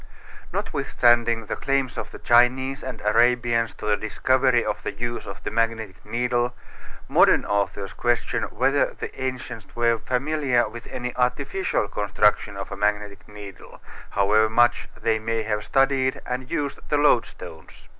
Notwithstanding the claims of the Chinese and Arabians to the discovery of the use of the magnetic needle, modern authors question whether the ancients were familiar with any artificial construction of a magnetic needle, however much they may have studied and used the loadstones.